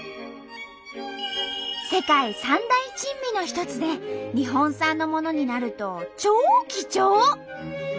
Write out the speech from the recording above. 世界三大珍味の一つで日本産のものになると超貴重！